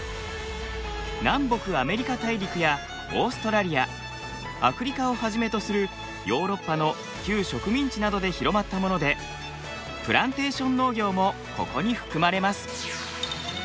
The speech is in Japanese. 南北アメリカ大陸やオーストラリアアフリカをはじめとするヨーロッパの旧植民地などで広まったものでプランテーション農業もここに含まれます。